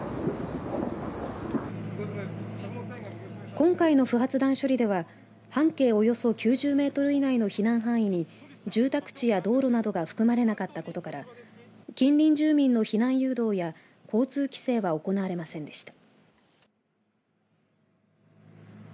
今回の不発弾処理では半径およそ９０メートル以内の避難範囲に住宅地や道路などが含まれなかったことから近隣住民の避難誘導や交通規制は行われませんでした。